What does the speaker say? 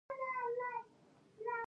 د افغان ملت وحدت تاریخي دی.